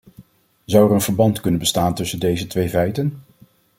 Zou er een verband kunnen bestaan tussen deze twee feiten?